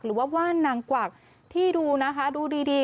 ว่าว่านนางกวักที่ดูนะคะดูดี